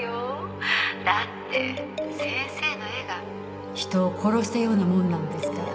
「だって先生の絵が人を殺したようなものなんですから」